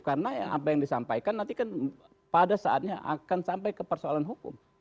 karena apa yang disampaikan nanti kan pada saatnya akan sampai ke persoalan hukum